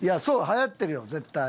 はやってるよ絶対。